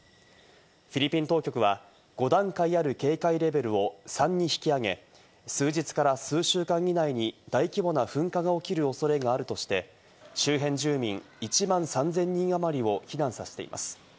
フィリピン当局は５段階ある警戒レベルを３に引き上げ、数日から数週間以内に大規模な噴火が起きる恐れがあるとして、周辺住民１万３０００人あまりを避難させています。